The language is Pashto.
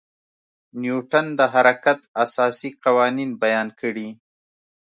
نیوټن د حرکت اساسي قوانین بیان کړي.